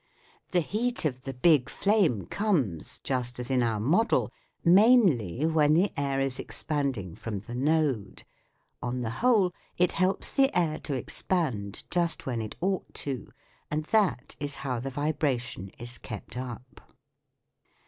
The heat of the big flame comes, just as in our model, mainly when the air is expanding from the node ; on the whole, it helps the air to expand just when it ought to, and that is how the vibration is kept up.